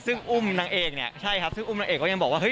ซึ่งอุ้มนางเอกเนี่ยใช่ครับซึ่งอุ้มนางเอกก็ยังบอกว่าเฮ